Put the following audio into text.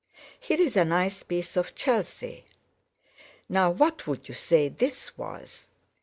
Here's a nice piece of Chelsea. Now, what would you say this was?"